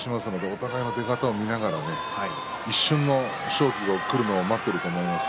お互いの出方を見ながら一瞬の勝機がくるのを待っていると思います。